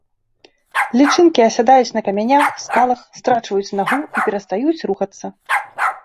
Лічынкі асядаюць на камянях, скалах, страчваюць нагу і перастаюць рухацца.